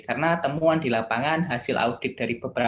karena temuan di lapangan hasil audit dari pekerjaan